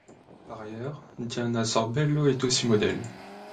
Par ailleurs, Diana Sorbello est aussi modèle.